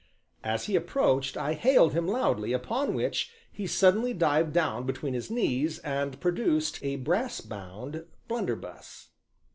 As he approached I hailed him loudly, upon which he suddenly dived down between his knees and produced a brass bound blunderbuss.